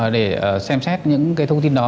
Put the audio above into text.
để xem xét những cái thông tin